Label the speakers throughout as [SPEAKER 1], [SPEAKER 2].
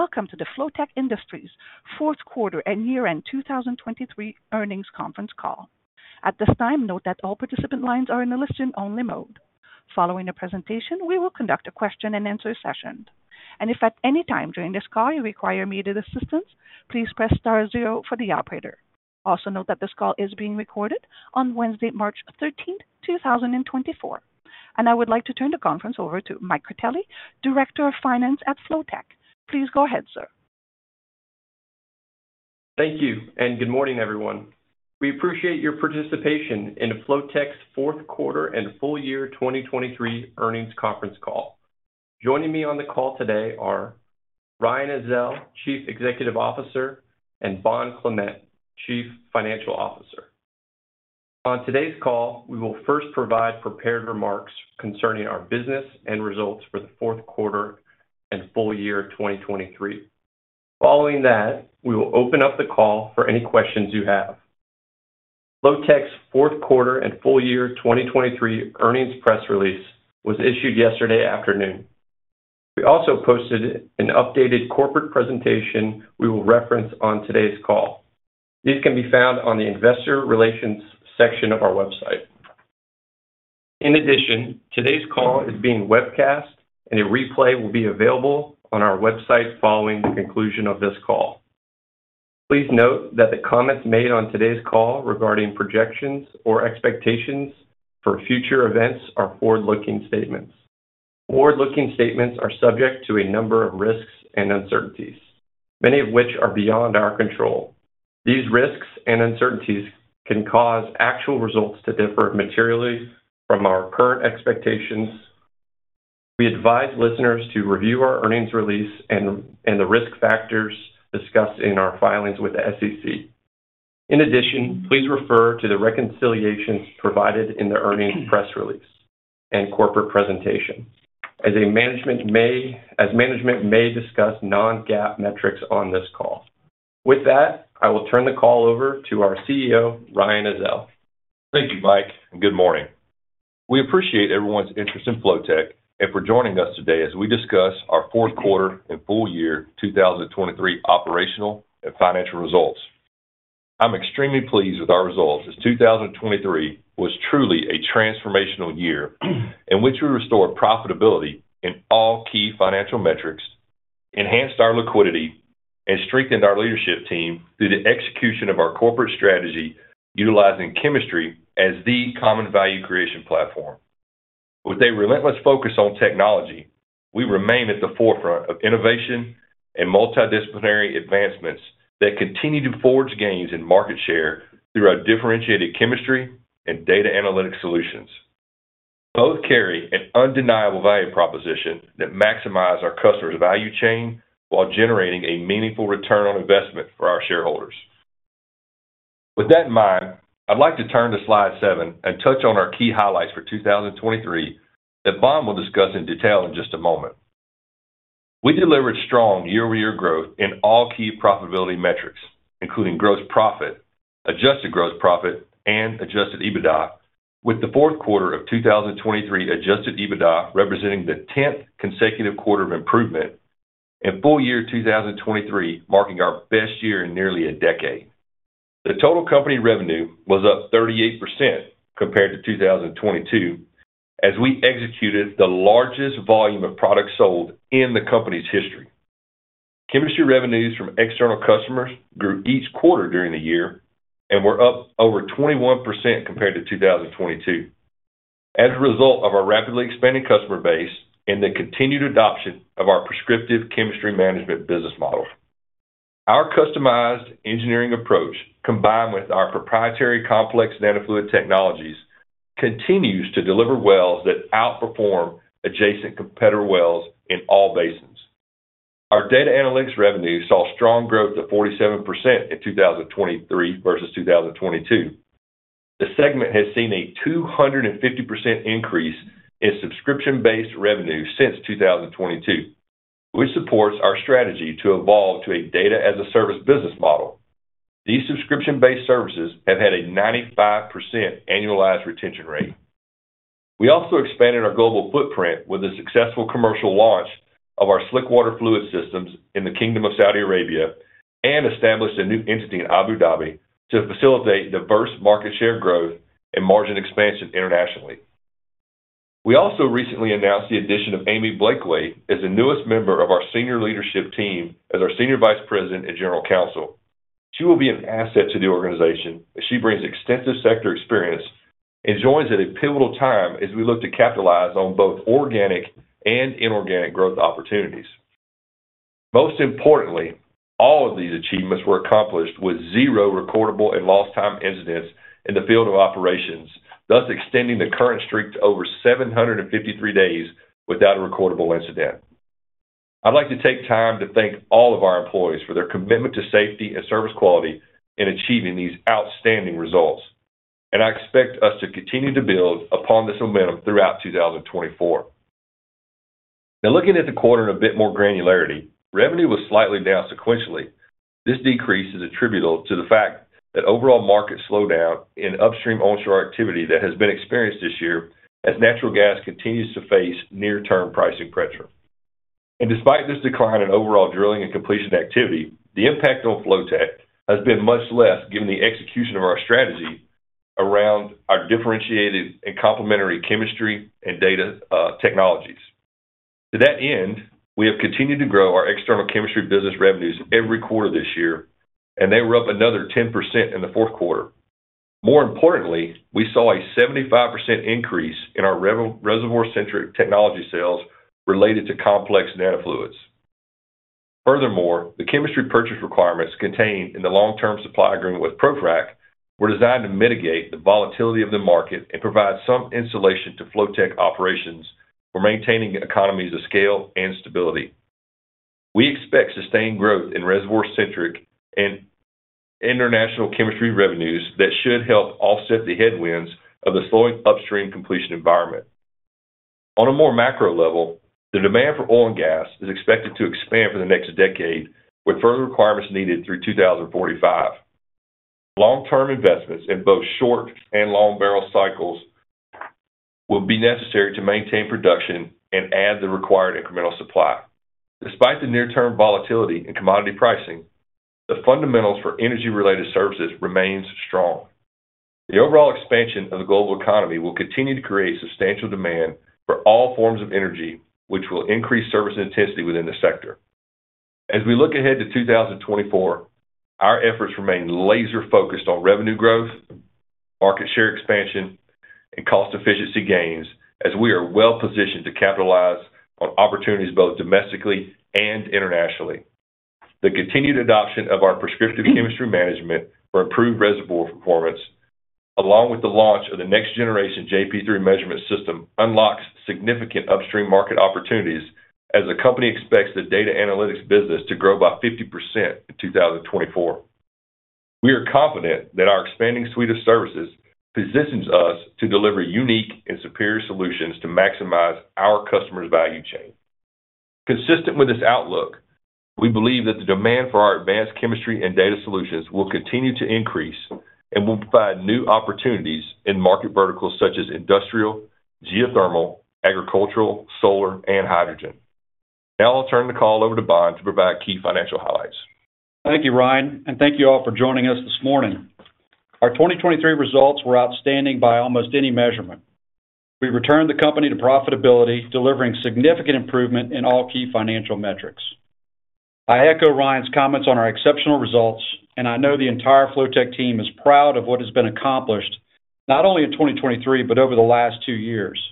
[SPEAKER 1] Welcome to the Flotek Industries Fourth Quarter and Year-End 2023 Earnings Conference Call. At this time, note that all participant lines are in a listen-only mode. Following the presentation, we will conduct a question-and-answer session. If at any time during this call you require assistance, please press star 0 for the operator. Also note that this call is being recorded on Wednesday, March 13, 2024. I would like to turn the conference over to Mike Critelli, Director of Finance at Flotek. Please go ahead, sir.
[SPEAKER 2] Thank you, and good morning, everyone. We appreciate your participation in Flotek's fourth quarter and full-year 2023 earnings conference call. Joining me on the call today are Ryan Ezell, Chief Executive Officer, and Bond Clement, Chief Financial Officer. On today's call, we will first provide prepared remarks concerning our business and results for the fourth quarter and full-year 2023. Following that, we will open up the call for any questions you have. Flotek's fourth quarter and full-year 2023 earnings press release was issued yesterday afternoon. We also posted an updated corporate presentation we will reference on today's call. These can be found on the Investor Relations section of our website. In addition, today's call is being webcast, and a replay will be available on our website following the conclusion of this call. Please note that the comments made on today's call regarding projections or expectations for future events are forward-looking statements. Forward-looking statements are subject to a number of risks and uncertainties, many of which are beyond our control. These risks and uncertainties can cause actual results to differ materially from our current expectations. We advise listeners to review our earnings release and the risk factors discussed in our filings with the SEC. In addition, please refer to the reconciliations provided in the earnings press release and corporate presentation, as management may discuss non-GAAP metrics on this call. With that, I will turn the call over to our CEO, Ryan Ezell.
[SPEAKER 3] Thank you, Mike, and good morning. We appreciate everyone's interest in Flotek and for joining us today as we discuss our 4th quarter and full-year 2023 operational and financial results. I'm extremely pleased with our results as 2023 was truly a transformational year in which we restored profitability in all key financial metrics, enhanced our liquidity, and strengthened our leadership team through the execution of our corporate strategy utilizing chemistry as the common value creation platform. With a relentless focus on technology, we remain at the forefront of innovation and multidisciplinary advancements that continue to forge gains in market share through our differentiated chemistry and data analytics solutions. Both carry an undeniable value proposition that maximizes our customer's value chain while generating a meaningful return on investment for our shareholders. With that in mind, I'd like to turn to slide 7 and touch on our key highlights for 2023 that Bond will discuss in detail in just a moment. We delivered strong year-over-year growth in all key profitability metrics, including gross profit, adjusted gross profit, and Adjusted EBITDA, with the fourth quarter of 2023 Adjusted EBITDA representing the 10th consecutive quarter of improvement and full-year 2023 marking our best year in nearly a decade. The total company revenue was up 38% compared to 2022 as we executed the largest volume of products sold in the company's history. Chemistry revenues from external customers grew each quarter during the year and were up over 21% compared to 2022 as a result of our rapidly expanding customer base and the continued adoption of our prescriptive chemistry management business model. Our customized engineering approach, combined with our proprietary complex nanofluid technologies, continues to deliver wells that outperform adjacent competitor wells in all basins. Our data analytics revenue saw strong growth of 47% in 2023 versus 2022. The segment has seen a 250% increase in subscription-based revenue since 2022, which supports our strategy to evolve to a data-as-a-service business model. These subscription-based services have had a 95% annualized retention rate. We also expanded our global footprint with the successful commercial launch of our slickwater fluid systems in the Kingdom of Saudi Arabia and established a new entity in Abu Dhabi to facilitate diverse market share growth and margin expansion internationally. We also recently announced the addition of Amy Blakeway as the newest member of our senior leadership team as our Senior Vice President and General Counsel. She will be an asset to the organization as she brings extensive sector experience and joins at a pivotal time as we look to capitalize on both organic and inorganic growth opportunities. Most importantly, all of these achievements were accomplished with zero recordable and lost-time incidents in the field of operations, thus extending the current streak to over 753 days without a recordable incident. I'd like to take time to thank all of our employees for their commitment to safety and service quality in achieving these outstanding results, and I expect us to continue to build upon this momentum throughout 2024. Now, looking at the quarter in a bit more granularity, revenue was slightly down sequentially. This decrease is attributable to the fact that overall markets slowed down in upstream onshore activity that has been experienced this year as natural gas continues to face near-term pricing pressure. Despite this decline in overall drilling and completion activity, the impact on Flotek has been much less given the execution of our strategy around our differentiated and complementary chemistry and data technologies. To that end, we have continued to grow our external chemistry business revenues every quarter this year, and they were up another 10% in the 4th quarter. More importantly, we saw a 75% increase in our reservoir-centric technology sales related to complex nanofluids. Furthermore, the chemistry purchase requirements contained in the long-term supply agreement with ProFrac were designed to mitigate the volatility of the market and provide some insulation to Flotek operations for maintaining economies of scale and stability. We expect sustained growth in reservoir-centric and international chemistry revenues that should help offset the headwinds of the slowing upstream completion environment. On a more macro level, the demand for oil and gas is expected to expand for the next decade, with further requirements needed through 2045. Long-term investments in both short and long-barrel cycles will be necessary to maintain production and add the required incremental supply. Despite the near-term volatility in commodity pricing, the fundamentals for energy-related services remain strong. The overall expansion of the global economy will continue to create substantial demand for all forms of energy, which will increase service intensity within the sector. As we look ahead to 2024, our efforts remain laser-focused on revenue growth, market share expansion, and cost-efficiency gains as we are well-positioned to capitalize on opportunities both domestically and internationally. The continued adoption of our prescriptive chemistry management for improved reservoir performance, along with the launch of the next-generation JP3 measurement system, unlocks significant upstream market opportunities as the company expects the data analytics business to grow by 50% in 2024. We are confident that our expanding suite of services positions us to deliver unique and superior solutions to maximize our customer's value chain. Consistent with this outlook, we believe that the demand for our advanced chemistry and data solutions will continue to increase and will provide new opportunities in market verticals such as industrial, geothermal, agricultural, solar, and hydrogen. Now I'll turn the call over to Bond to provide key financial highlights.
[SPEAKER 4] Thank you, Ryan, and thank you all for joining us this morning. Our 2023 results were outstanding by almost any measurement. We returned the company to profitability, delivering significant improvement in all key financial metrics. I echo Ryan's comments on our exceptional results, and I know the entire Flotek team is proud of what has been accomplished not only in 2023 but over the last two years.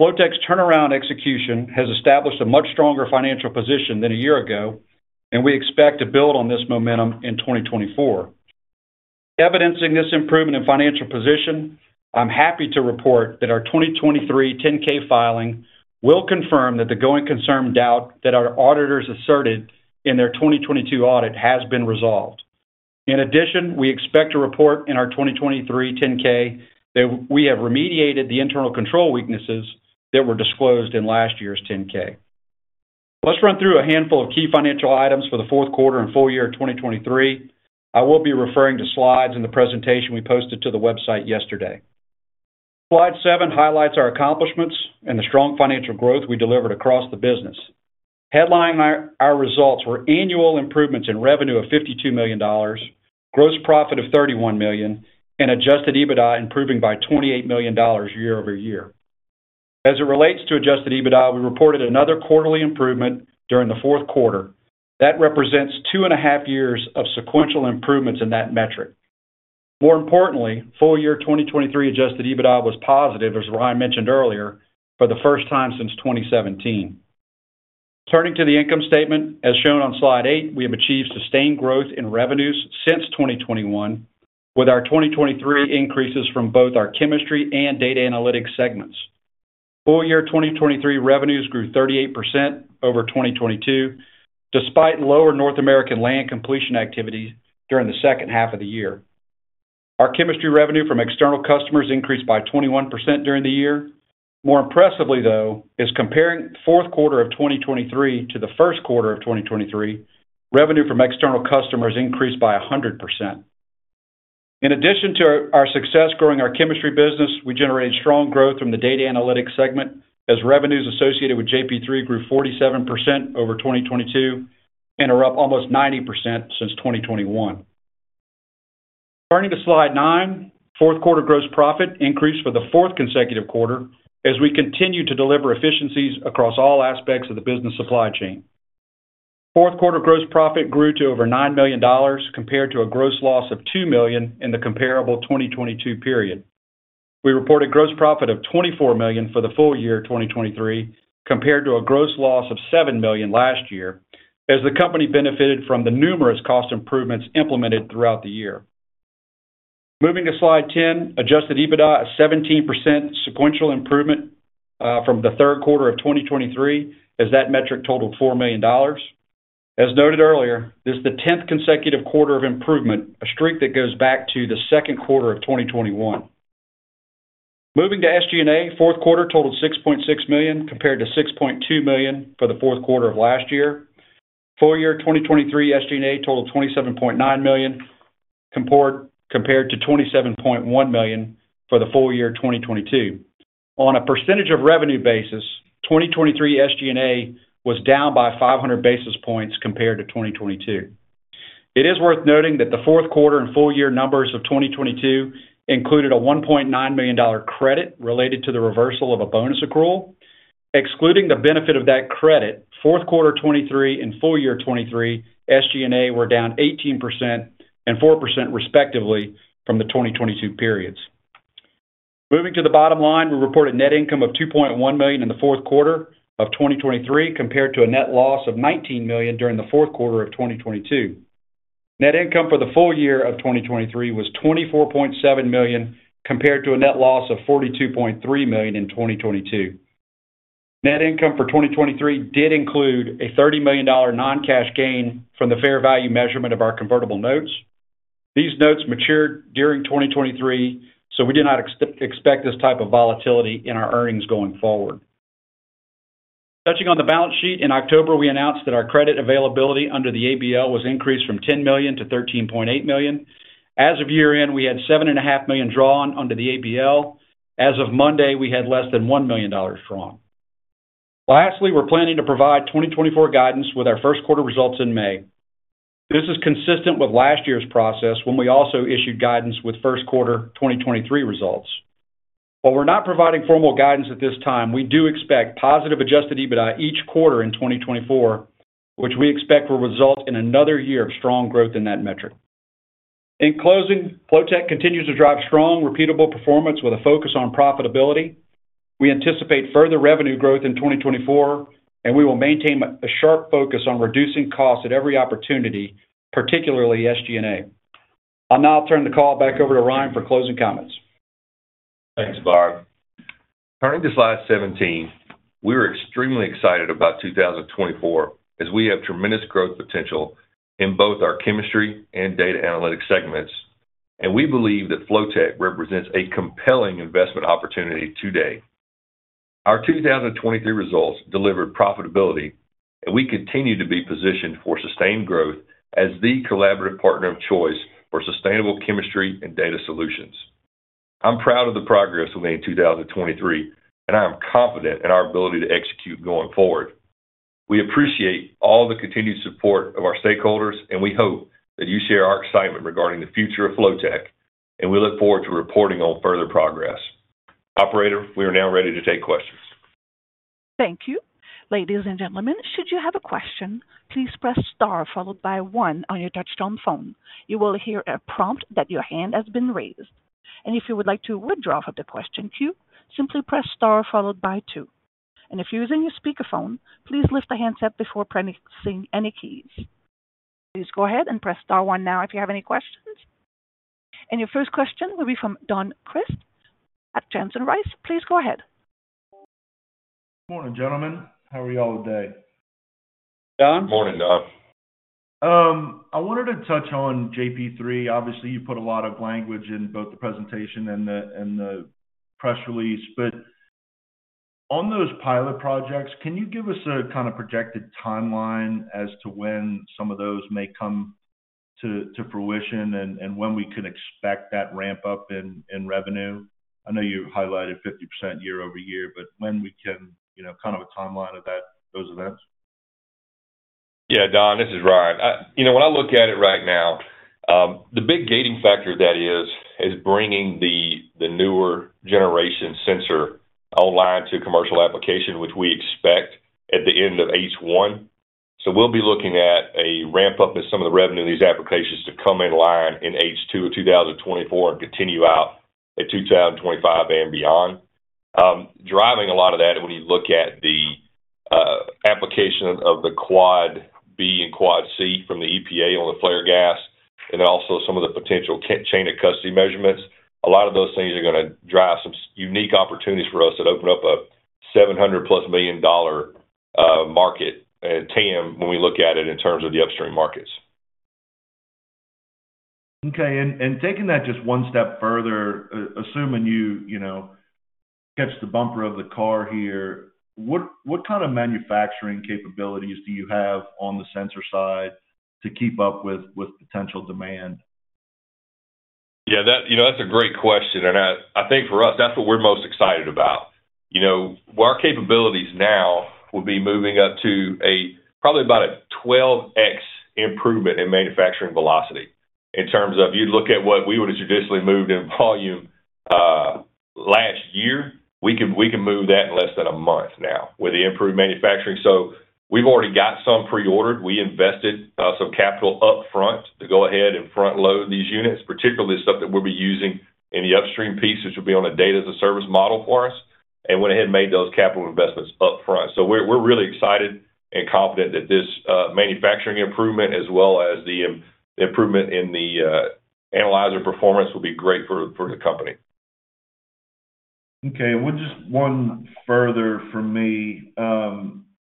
[SPEAKER 4] Flotek's turnaround execution has established a much stronger financial position than a year ago, and we expect to build on this momentum in 2024. Evidencing this improvement in financial position, I'm happy to report that our 2023 10-K filing will confirm that the going concern doubt that our auditors asserted in their 2022 audit has been resolved. In addition, we expect to report in our 2023 10-K that we have remediated the internal control weaknesses that were disclosed in last year's 10-K. Let's run through a handful of key financial items for the 4th quarter and full-year of 2023. I will be referring to slides in the presentation we posted to the website yesterday. Slide 7 highlights our accomplishments and the strong financial growth we delivered across the business, headlining our results were annual improvements in revenue of $52 million, gross profit of $31 million, and Adjusted EBITDA improving by $28 million year-over-year. As it relates to Adjusted EBITDA, we reported another quarterly improvement during the 4th quarter. That represents two and a half years of sequential improvements in that metric. More importantly, full-year 2023 Adjusted EBITDA was positive, as Ryan mentioned earlier, for the first time since 2017. Turning to the income statement, as shown on slide 8, we have achieved sustained growth in revenues since 2021 with our 2023 increases from both our chemistry and data analytics segments. Full-year 2023 revenues grew 38% over 2022 despite lower North American land completion activity during the second half of the year. Our chemistry revenue from external customers increased by 21% during the year. More impressively, though, is comparing the 4th quarter of 2023 to the 1st quarter of 2023, revenue from external customers increased by 100%. In addition to our success growing our chemistry business, we generated strong growth from the data analytics segment as revenues associated with JP3 grew 47% over 2022 and are up almost 90% since 2021. Turning to slide 9, 4th quarter gross profit increased for the 4th consecutive quarter as we continue to deliver efficiencies across all aspects of the business supply chain. 4th quarter gross profit grew to over $9 million compared to a gross loss of $2 million in the comparable 2022 period. We reported gross profit of $24 million for the full year 2023 compared to a gross loss of $7 million last year as the company benefited from the numerous cost improvements implemented throughout the year. Moving to slide 10, Adjusted EBITDA, a 17% sequential improvement from the 3rd quarter of 2023 as that metric totaled $4 million. As noted earlier, this is the 10th consecutive quarter of improvement, a streak that goes back to the 2nd quarter of 2021. Moving to SG&A, 4th quarter totaled $6.6 million compared to $6.2 million for the 4th quarter of last year. Full-year 2023 SG&A totaled $27.9 million compared to $27.1 million for the full year 2022. On a percentage of revenue basis, 2023 SG&A was down by 500 basis points compared to 2022. It is worth noting that the 4th quarter and full-year numbers of 2022 included a $1.9 million credit related to the reversal of a bonus accrual. Excluding the benefit of that credit, 4th quarter 2023 and full year 2023 SG&A were down 18% and 4% respectively from the 2022 periods. Moving to the bottom line, we reported net income of $2.1 million in the 4th quarter of 2023 compared to a net loss of $19 million during the 4th quarter of 2022. Net income for the full year of 2023 was $24.7 million compared to a net loss of $42.3 million in 2022. Net income for 2023 did include a $30 million non-cash gain from the fair value measurement of our convertible notes. These notes matured during 2023, so we did not expect this type of volatility in our earnings going forward. Touching on the balance sheet, in October we announced that our credit availability under the ABL was increased from $10 million to $13.8 million. As of year-end, we had $7.5 million drawn under the ABL. As of Monday, we had less than $1 million drawn. Lastly, we're planning to provide 2024 guidance with our first quarter results in May. This is consistent with last year's process when we also issued guidance with first quarter 2023 results. While we're not providing formal guidance at this time, we do expect positive Adjusted EBITDA each quarter in 2024, which we expect will result in another year of strong growth in that metric. In closing, Flotek continues to drive strong, repeatable performance with a focus on profitability. We anticipate further revenue growth in 2024, and we will maintain a sharp focus on reducing costs at every opportunity, particularly SG&A. I'll now turn the call back over to Ryan for closing comments.
[SPEAKER 3] Thanks, Bond. Turning to slide 17, we are extremely excited about 2024 as we have tremendous growth potential in both our chemistry and data analytics segments, and we believe that Flotek represents a compelling investment opportunity today. Our 2023 results delivered profitability, and we continue to be positioned for sustained growth as the collaborative partner of choice for sustainable chemistry and data solutions. I'm proud of the progress we made in 2023, and I am confident in our ability to execute going forward. We appreciate all the continued support of our stakeholders, and we hope that you share our excitement regarding the future of Flotek, and we look forward to reporting on further progress. Operator, we are now ready to take questions.
[SPEAKER 1] Thank you. Ladies and gentlemen, should you have a question, please press star followed by 1 on your touch-tone phone. You will hear a prompt that your hand has been raised. And if you would like to withdraw from the question queue, simply press star followed by 2. And if you're using your speakerphone, please lift the handset before pressing any keys. Please go ahead and press star 1 now if you have any questions. And your first question will be from Don Crist at Johnson Rice. Please go ahead.
[SPEAKER 5] Good morning, gentlemen. How are you all today?
[SPEAKER 3] Don?
[SPEAKER 4] Morning, Don.
[SPEAKER 5] I wanted to touch on JP3. Obviously, you put a lot of language in both the presentation and the press release. But on those pilot projects, can you give us a kind of projected timeline as to when some of those may come to fruition and when we can expect that ramp-up in revenue? I know you highlighted 50% year-over-year, but when we can kind of a timeline of those events?
[SPEAKER 3] Yeah, Don, this is Ryan. When I look at it right now, the big gating factor that is bringing the newer generation sensor online to commercial application, which we expect at the end of H1. So we'll be looking at a ramp-up in some of the revenue in these applications to come in line in H2 of 2024 and continue out at 2025 and beyond. Driving a lot of that when you look at the application of the Quad B and Quad C from the EPA on the flare gas and then also some of the potential chain of custody measurements, a lot of those things are going to drive some unique opportunities for us that open up a $700+ million market TAM when we look at it in terms of the upstream markets.
[SPEAKER 5] Okay. Taking that just one step further, assuming you catch the bumper of the car here, what kind of manufacturing capabilities do you have on the sensor side to keep up with potential demand?
[SPEAKER 3] Yeah, that's a great question. And I think for us, that's what we're most excited about. Our capabilities now would be moving up to probably about a 12x improvement in manufacturing velocity in terms of you'd look at what we would have traditionally moved in volume last year. We can move that in less than a month now with the improved manufacturing. So we've already got some preordered. We invested some capital upfront to go ahead and front-load these units, particularly the stuff that we'll be using in the upstream piece, which will be on a data-as-a-service model for us, and went ahead and made those capital investments upfront. So we're really excited and confident that this manufacturing improvement as well as the improvement in the analyzer performance will be great for the company.
[SPEAKER 5] Okay. And just one further from me.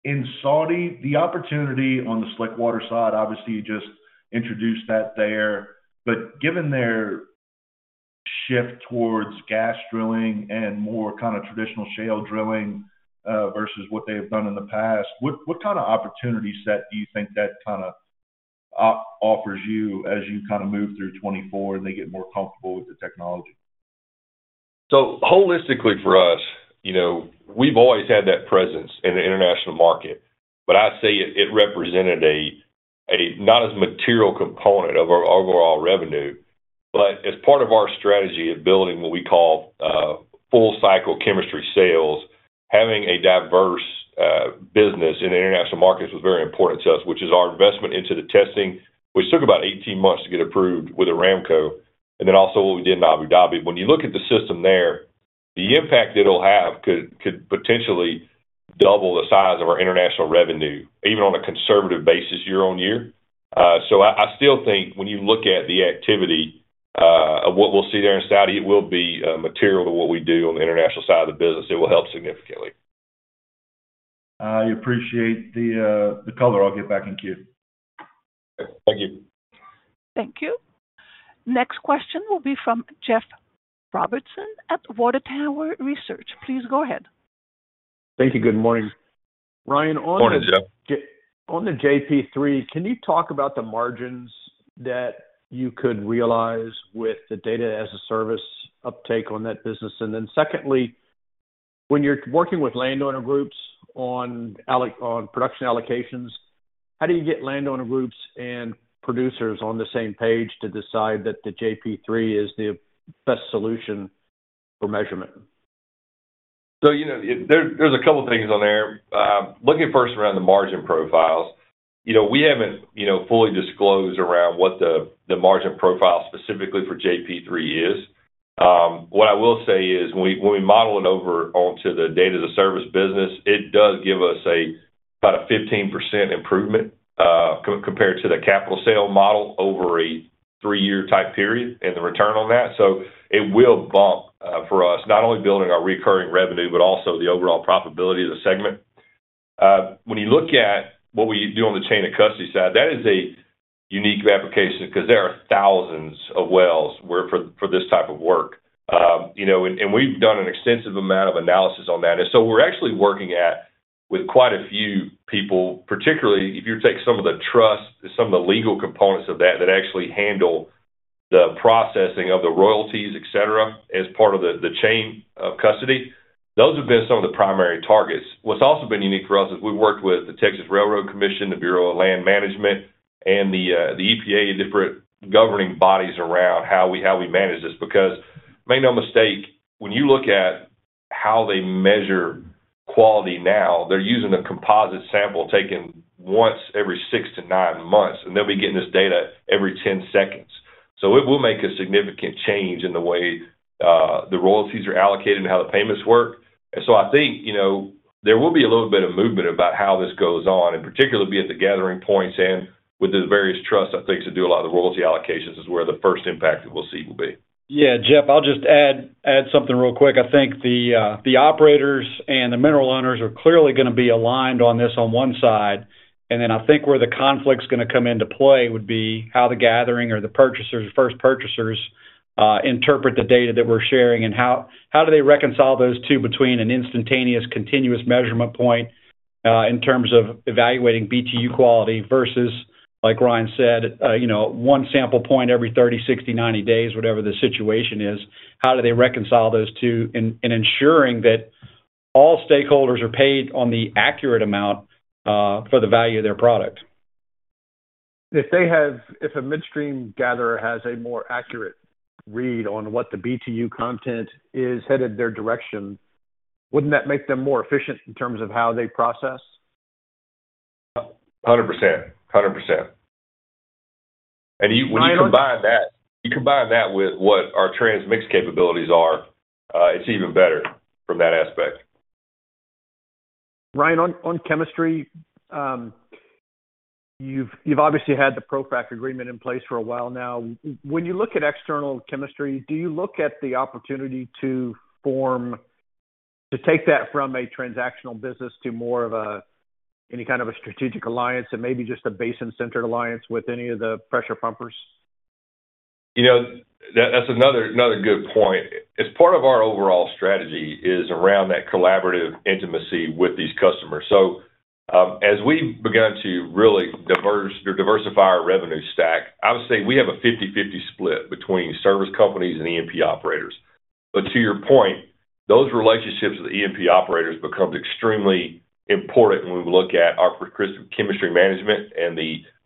[SPEAKER 5] In Saudi, the opportunity on the slickwater side, obviously, you just introduced that there. But given their shift towards gas drilling and more kind of traditional shale drilling versus what they have done in the past, what kind of opportunity set do you think that kind of offers you as you kind of move through 2024 and they get more comfortable with the technology?
[SPEAKER 3] So holistically for us, we've always had that presence in the international market. But I say it represented a not as material component of our overall revenue, but as part of our strategy of building what we call full-cycle chemistry sales, having a diverse business in the international markets was very important to us, which is our investment into the testing, which took about 18 months to get approved with Aramco, and then also what we did in Abu Dhabi. When you look at the system there, the impact it'll have could potentially double the size of our international revenue, even on a conservative basis, year on year. So I still think when you look at the activity of what we'll see there in Saudi, it will be material to what we do on the international side of the business. It will help significantly.
[SPEAKER 5] I appreciate the color. I'll get back in queue.
[SPEAKER 3] Okay. Thank you.
[SPEAKER 1] Thank you. Next question will be from Jeff Robertson at Water Tower Research. Please go ahead.
[SPEAKER 6] Thank you. Good morning. Ryan, on the.
[SPEAKER 3] Morning, Jeff.
[SPEAKER 6] On the JP3, can you talk about the margins that you could realize with the data-as-a-service uptake on that business? And then secondly, when you're working with landowner groups on production allocations, how do you get landowner groups and producers on the same page to decide that the JP3 is the best solution for measurement?
[SPEAKER 3] So there's a couple of things on there. Looking first around the margin profiles, we haven't fully disclosed around what the margin profile specifically for JP3 is. What I will say is when we model it over onto the data-as-a-service business, it does give us about a 15% improvement compared to the capital sale model over a three-year type period and the return on that. So it will bump for us, not only building our recurring revenue, but also the overall profitability of the segment. When you look at what we do on the chain of custody side, that is a unique application because there are thousands of wells for this type of work. And we've done an extensive amount of analysis on that. And so we're actually working with quite a few people, particularly if you take some of the trust, some of the legal components of that that actually handle the processing of the royalties, etc., as part of the chain of custody, those have been some of the primary targets. What's also been unique for us is we've worked with the Texas Railroad Commission, the Bureau of Land Management, and the EPA, different governing bodies around how we manage this. Because make no mistake, when you look at how they measure quality now, they're using a composite sample taken once every 6-9 months, and they'll be getting this data every 10 seconds. So it will make a significant change in the way the royalties are allocated and how the payments work. And so I think there will be a little bit of movement about how this goes on, and particularly be at the gathering points and with the various trust, I think, to do a lot of the royalty allocations is where the first impact that we'll see will be.
[SPEAKER 4] Yeah, Jeff, I'll just add something real quick. I think the operators and the mineral owners are clearly going to be aligned on this on one side. And then I think where the conflict's going to come into play would be how the gathering or the first purchasers interpret the data that we're sharing and how do they reconcile those two between an instantaneous continuous measurement point in terms of evaluating BTU quality versus, like Ryan said, one sample point every 30, 60, 90 days, whatever the situation is? How do they reconcile those two in ensuring that all stakeholders are paid on the accurate amount for the value of their product?
[SPEAKER 6] If a midstream gatherer has a more accurate read on what the BTU content is headed their direction, wouldn't that make them more efficient in terms of how they process?
[SPEAKER 3] 100%. 100%. When you combine that with what our transmix capabilities are, it's even better from that aspect.
[SPEAKER 6] Ryan, on chemistry, you've obviously had the ProFrac agreement in place for a while now. When you look at external chemistry, do you look at the opportunity to take that from a transactional business to more of any kind of a strategic alliance and maybe just a basin-centered alliance with any of the pressure pumpers?
[SPEAKER 3] That's another good point. As part of our overall strategy is around that collaborative intimacy with these customers. So as we've begun to really diversify our revenue stack, obviously, we have a 50/50 split between service companies and E&P operators. But to your point, those relationships with the E&P operators become extremely important when we look at our chemistry management and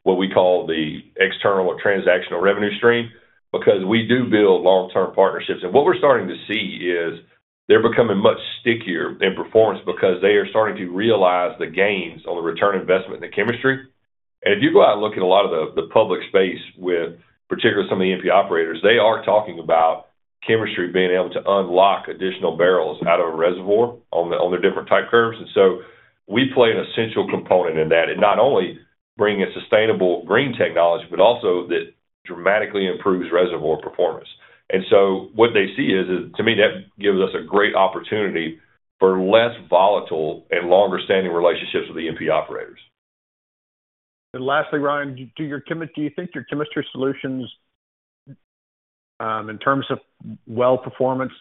[SPEAKER 3] what we call the external or transactional revenue stream because we do build long-term partnerships. And what we're starting to see is they're becoming much stickier in performance because they are starting to realize the gains on the return investment in the chemistry. And if you go out and look at a lot of the public space with particularly some of the E&P operators, they are talking about chemistry being able to unlock additional barrels out of a reservoir on their different type curves. And so we play an essential component in that, not only bringing sustainable green technology, but also that dramatically improves reservoir performance. And so what they see is, to me, that gives us a great opportunity for less volatile and longer-standing relationships with the EMP operators.
[SPEAKER 6] Lastly, Ryan, do you think your chemistry solutions in terms of well performance,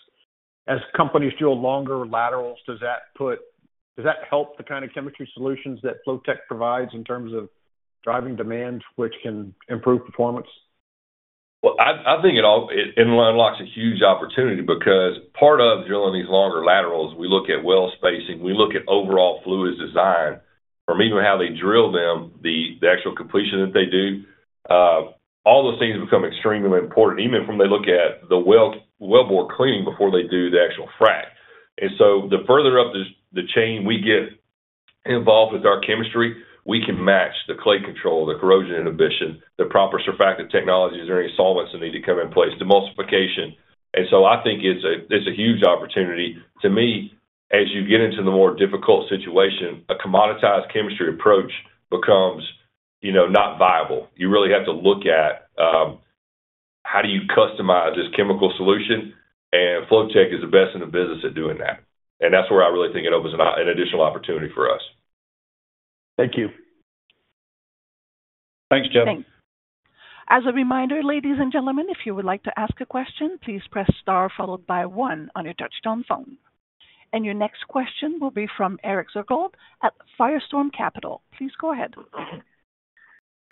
[SPEAKER 6] as companies do longer laterals, does that help the kind of chemistry solutions that Flotek provides in terms of driving demand, which can improve performance?
[SPEAKER 3] Well, I think it unlocks a huge opportunity because part of drilling these longer laterals, we look at well spacing, we look at overall fluid design from even how they drill them, the actual completion that they do, all those things become extremely important, even from they look at the wellbore cleaning before they do the actual frack. And so the further up the chain we get involved with our chemistry, we can match the clay control, the corrosion inhibition, the proper surfactant technologies, or any solvents that need to come in place, demulsification. And so I think it's a huge opportunity. To me, as you get into the more difficult situation, a commoditized chemistry approach becomes not viable. You really have to look at how do you customize this chemical solution? And Flotek is the best in the business at doing that. That's where I really think it opens an additional opportunity for us.
[SPEAKER 6] Thank you.
[SPEAKER 4] Thanks, Jeff.
[SPEAKER 1] Thanks. As a reminder, ladies and gentlemen, if you would like to ask a question, please press star followed by 1 on your touch-tone phone. Your next question will be from Eric Swergold at Firestorm Capital. Please go ahead.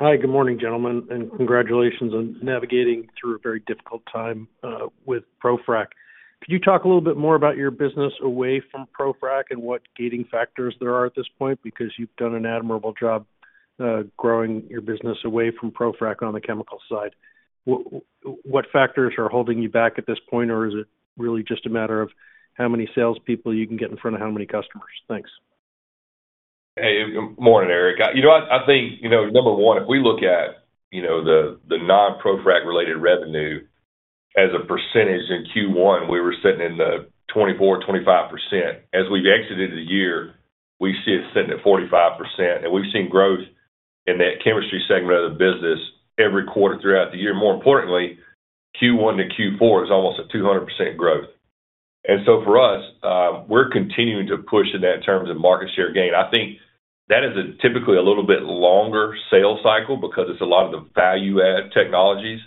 [SPEAKER 7] Hi. Good morning, gentlemen, and congratulations on navigating through a very difficult time with ProFrac. Could you talk a little bit more about your business away from ProFrac and what gating factors there are at this point? Because you've done an admirable job growing your business away from ProFrac on the chemical side. What factors are holding you back at this point, or is it really just a matter of how many salespeople you can get in front of how many customers? Thanks.
[SPEAKER 3] Hey, good morning, Eric. I think, number one, if we look at the non-ProFrac-related revenue as a percentage in Q1, we were sitting in the 24%-25%. As we've exited the year, we see it sitting at 45%. And we've seen growth in that chemistry segment of the business every quarter throughout the year. More importantly, Q1 to Q4 is almost a 200% growth. And so for us, we're continuing to push in that terms of market share gain. I think that is typically a little bit longer sale cycle because it's a lot of the value-add technologies.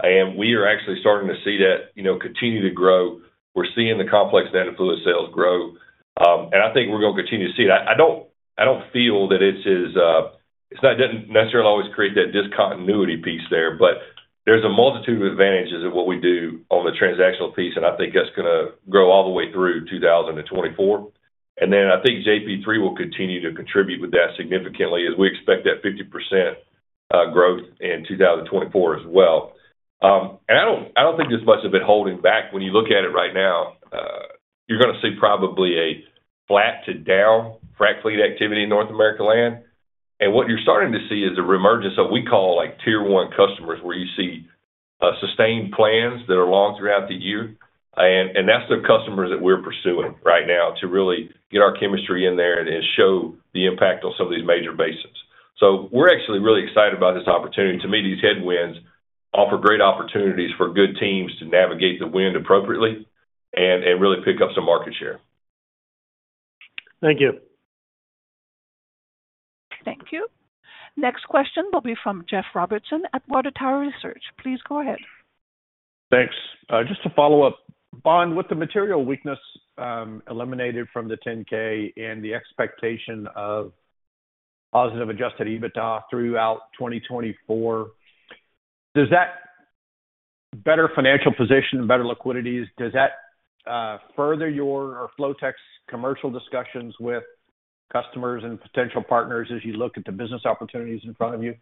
[SPEAKER 3] And we are actually starting to see that continue to grow. We're seeing the Complex nano fluid sales grow. And I think we're going to continue to see it. I don't feel that it doesn't necessarily always create that discontinuity piece there. But there's a multitude of advantages of what we do on the transactional piece. I think that's going to grow all the way through 2024. Then I think JP3 will continue to contribute with that significantly as we expect that 50% growth in 2024 as well. I don't think there's much of it holding back. When you look at it right now, you're going to see probably a flat to down frac fleet activity in North America land. What you're starting to see is a reemergence of what we call tier one customers where you see sustained plans that are long throughout the year. That's the customers that we're pursuing right now to really get our chemistry in there and show the impact on some of these major basins. So we're actually really excited about this opportunity. To me, these headwinds offer great opportunities for good teams to navigate the wind appropriately and really pick up some market share.
[SPEAKER 7] Thank you.
[SPEAKER 1] Thank you. Next question will be from Jeff Robertson at Water Tower Research. Please go ahead.
[SPEAKER 6] Thanks. Just to follow up, Bond, with the material weakness eliminated from the 10-K and the expectation of positive Adjusted EBITDA throughout 2024, does that better financial position and better liquidities, does that further your or Flotek's commercial discussions with customers and potential partners as you look at the business opportunities in front of you?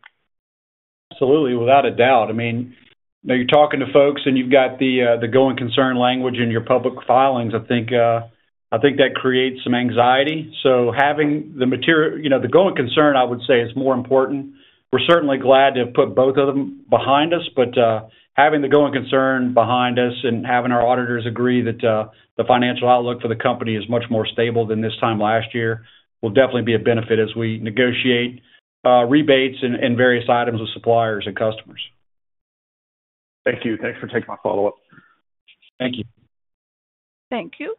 [SPEAKER 4] Absolutely, without a doubt. I mean, you're talking to folks, and you've got the going concern language in your public filings. I think that creates some anxiety. So having the going concern, I would say, is more important. We're certainly glad to have put both of them behind us. But having the going concern behind us and having our auditors agree that the financial outlook for the company is much more stable than this time last year will definitely be a benefit as we negotiate rebates and various items with suppliers and customers.
[SPEAKER 6] Thank you. Thanks for taking my follow-up.
[SPEAKER 4] Thank you.
[SPEAKER 1] Thank you.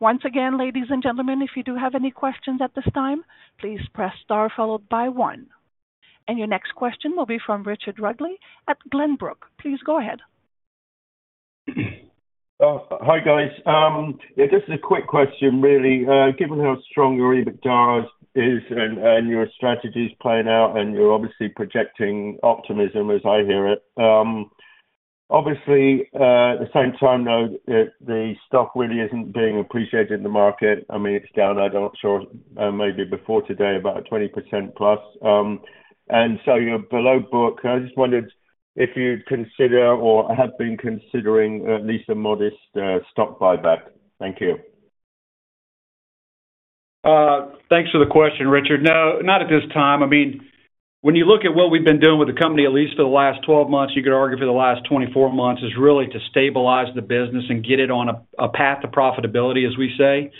[SPEAKER 1] Once again, ladies and gentlemen, if you do have any questions at this time, please press star followed by 1. Your next question will be from Richard Rudgley at Glenbrook. Please go ahead.
[SPEAKER 8] Hi, guys. Yeah, this is a quick question, really. Given how strong your EBITDA is and your strategy's playing out, and you're obviously projecting optimism as I hear it, obviously, at the same time, though, the stock really isn't being appreciated in the market. I mean, it's down, I'm not sure, maybe before today, about 20%+. And so you're below book. I just wondered if you'd consider or have been considering at least a modest stock buyback. Thank you.
[SPEAKER 4] Thanks for the question, Richard. No, not at this time. I mean, when you look at what we've been doing with the company, at least for the last 12 months, you could argue for the last 24 months, is really to stabilize the business and get it on a path to profitability, as we say.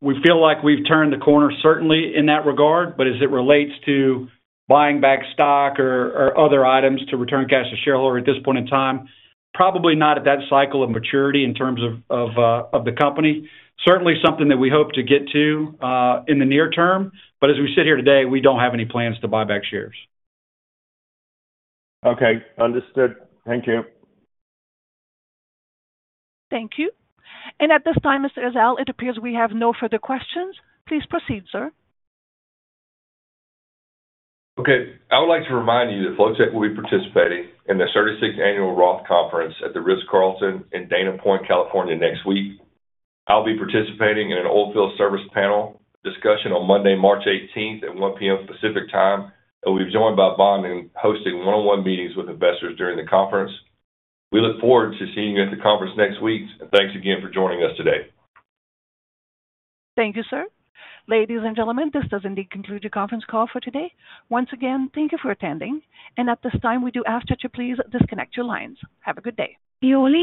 [SPEAKER 4] We feel like we've turned the corner, certainly, in that regard. But as it relates to buying back stock or other items to return cash to shareholders at this point in time, probably not at that cycle of maturity in terms of the company. Certainly something that we hope to get to in the near term. But as we sit here today, we don't have any plans to buy back shares.
[SPEAKER 6] Okay. Understood. Thank you.
[SPEAKER 1] Thank you. At this time, Mr. Ezell, it appears we have no further questions. Please proceed, sir.
[SPEAKER 3] Okay. I would like to remind you that Flotek will be participating in the 36th Annual Roth Conference at the Ritz-Carlton in Dana Point, California, next week. I'll be participating in an oilfield service panel discussion on Monday, March 18th, at 1:00 P.M. Pacific Time. We'll be joined by Bond in hosting one-on-one meetings with investors during the conference. We look forward to seeing you at the conference next week. Thanks again for joining us today.
[SPEAKER 1] Thank you, sir. Ladies and gentlemen, this does indeed conclude your conference call for today. Once again, thank you for attending. At this time, we do ask that you please disconnect your lines. Have a good day. You'll be.